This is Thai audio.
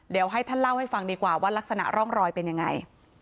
เดี๋ยวให้ท่านเล่าให้ฟังดีกว่าว่ารักษณะร่องรอยเป็นยังไง